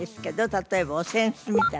例えばお扇子みたいなもの